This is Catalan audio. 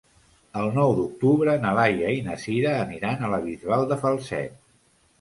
El nou d'octubre na Laia i na Sira aniran a la Bisbal de Falset.